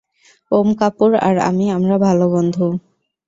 ওম কাপুর আর আমি, আমরা ভাল বন্ধু।